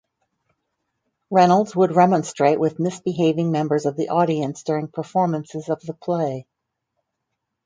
Reynolds would remonstrate with misbehaving members of the audience during performances of the play.